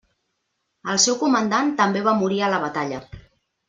El seu comandant també va morir a la batalla.